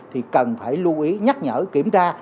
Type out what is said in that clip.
thì cần phải lưu ý nhắc nhở kiểm tra